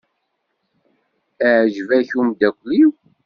Iɛjeb-ak umeddakel-iw?